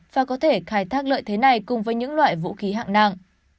và có thể khai thác lợi thế này cùng với những loại vũ khí hạng nặng